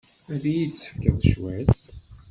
Ad iyi-d-tefkeḍ cwiṭ?